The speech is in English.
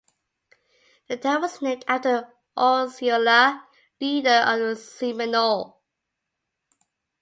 The town was named after Osceola, leader of the Seminole.